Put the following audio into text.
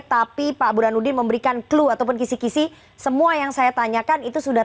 tapi pak burhanuddin memberikan clue ataupun kisi kisi semua yang saya tanyakan itu sudah